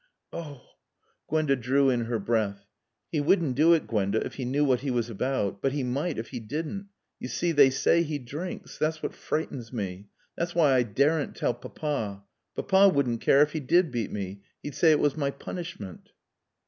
"Oh " Gwenda drew in her breath. "He wouldn't do it, Gwenda, if he knew what he was about. But he might if he didn't. You see, they say he drinks. That's what frightens me. That's why I daren't tell Papa. Papa wouldn't care if he did beat me. He'd say it was my punishment."